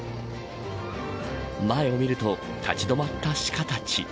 前を見ると立ち止まったシカたち。